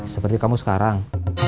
seperti kamu sekarang